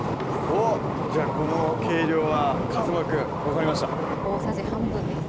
おっじゃあこの計量は壱馬くん分かりました大さじ半分です